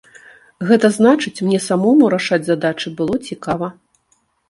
Гэта значыць, мне самому рашаць задачы было цікава.